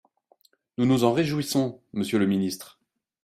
Nous nous en réjouissons, monsieur le ministre.